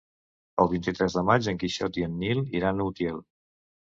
El vint-i-tres de maig en Quixot i en Nil iran a Utiel.